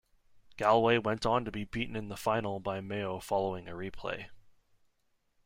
Galway went on to be beaten in the final by Mayo following a replay.